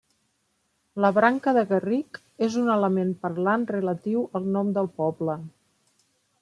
La branca de garric és un element parlant relatiu al nom del poble.